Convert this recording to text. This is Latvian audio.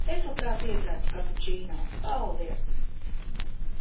Es labprāt iedzertu kapučīno. Paldies!